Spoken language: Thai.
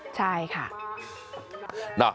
ใช่ค่ะ